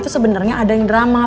sebenernya ada yang drama